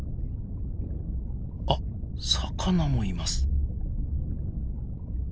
あっ魚もいます。